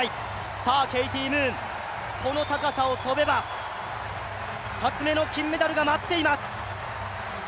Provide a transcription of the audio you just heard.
さあケイティ・ムーン、この高さを跳べば２つ目の金メダルが待っています。